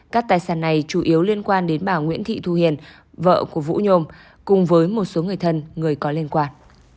các tài sản này chủ yếu liên quan đến bà nguyễn thị thu hiền vợ của vũ nhôm cùng với một số người thân người có liên quan